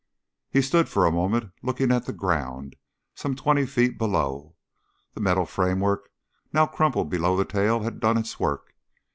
He stood for a moment looking at the ground, some twenty feet below. The metal framework now crumpled below the tail had done its work.